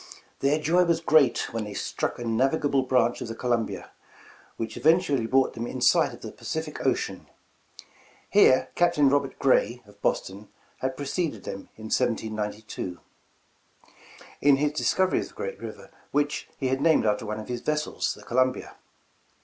Their joy was great when they struck a navigable branch of the Columbia, which eventually brought them in sight of the Pacific Ocean. Here Captain Robert Gray, of Boston, had preceded them in 1792, in his dis covery of the great river, which he had named after one of his vessels, 'Hhe Columbia."